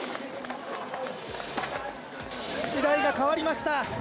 時代が変わりました。